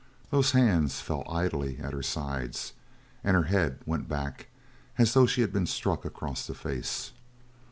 Those hands fell idly at her sides and her head went back as though she had been struck across the face.